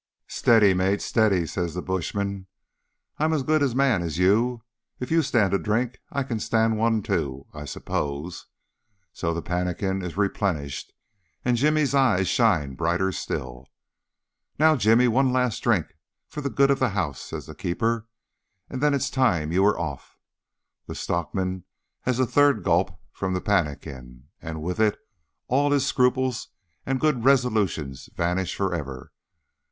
"Steady, mate, steady," says the bushman. "I'm as good a man as you. If you stand a drink I can stand one too, I suppose." So the pannikin is replenished, and Jimmy's eyes shine brighter still. "Now, Jimmy, one last drink for the good of the house," says the keeper, "and then it's time you were off." The stockman has a third gulp from the pannikin, and with it all his scruples and good resolutions vanish for ever.